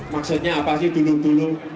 maksudnya apa sih dulu dulu